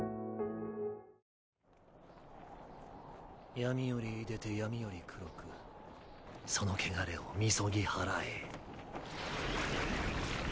闇より出でて闇より黒くその穢れを禊ぎ祓え。